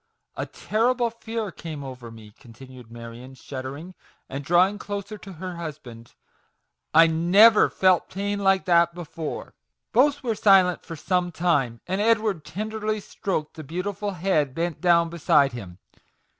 A terrible fear came over me," continued Marion, shud dering, and drawing closer to her husband " I never felt pain like that before !" Both were silent for some time j and Edward tenderly stroked the beautiful head bent down beside him.